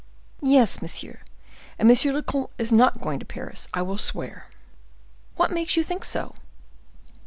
"Yes, monsieur: and monsieur le comte is not going to Paris, I will swear." "What makes you think so?"